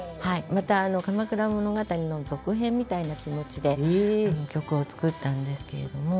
またあの「鎌倉物語」の続編みたいな気持ちで曲を作ったんですけれども。